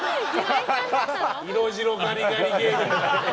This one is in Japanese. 色白ガリガリ芸人が。